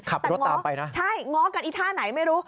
ขับรถตามไปนะใช่ง้อกันไอ้ท่าไหนไม่รู้